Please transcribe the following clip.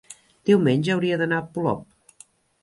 Diumenge hauria d'anar a Polop.